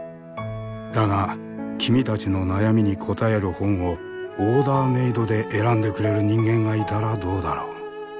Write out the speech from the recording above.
だが君たちの悩みに答える本をオーダーメードで選んでくれる人間がいたらどうだろう？